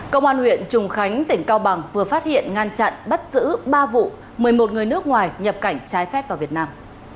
công an huyện trùng khánh tỉnh cao bằng vừa phát hiện ngăn chặn bắt giữ ba vụ một mươi một người nước ngoài nhập cảnh trái phép vào việt nam